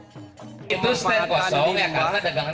itu stand kosong yang kan ada gangannya abis dibuat